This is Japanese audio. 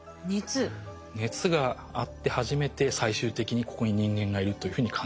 熱があって初めて最終的にここに人間がいるというふうに感じるんですね。